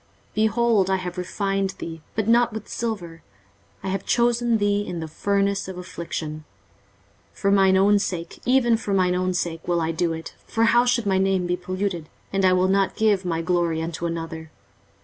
23:048:010 Behold, I have refined thee, but not with silver; I have chosen thee in the furnace of affliction. 23:048:011 For mine own sake, even for mine own sake, will I do it: for how should my name be polluted? and I will not give my glory unto another.